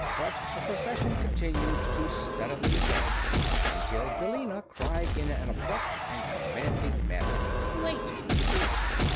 But the procession continued to steadily advance until Billina cried in an abrupt and commanding manner: "Wait wait!"